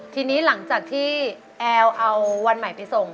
ทีนี้หลังจากที่แอลเอาวันใหม่ไปส่ง